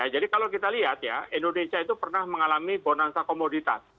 jadi kalau kita lihat indonesia itu pernah mengalami bonansa komoditas